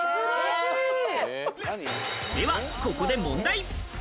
では、ここで問題。